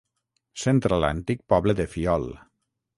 Centra l'antic poble de Fiol.